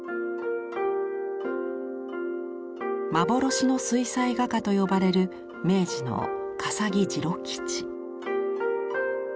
幻の水彩画家と呼ばれる明治の笠木治郎吉。